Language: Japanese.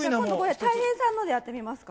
たい平さんのでやってみますか？